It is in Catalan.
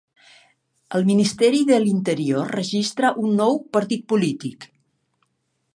El Ministeri de l'Interior registra un nou partit polític